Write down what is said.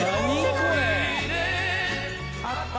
これ。